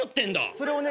それをね